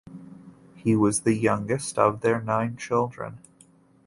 He was the youngest of their nine children.